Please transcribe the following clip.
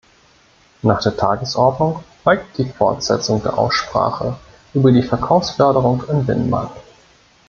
Nach der Tagesordnung folgt die Fortsetzung der Aussprache über die Verkaufsförderung im Binnenmarkt.